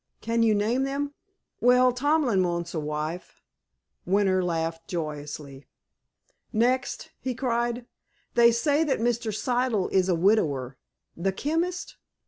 "Can you name them?" "Well, Tomlin wants a wife." Winter laughed joyously. "Next?" he cried. "They say that Mr. Siddle is a widower." "The chemist?